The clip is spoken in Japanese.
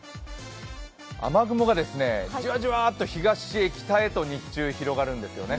雨雲がじわじわと東へ北へと日中、広がるんですよね。